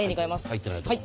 入ってないとこ。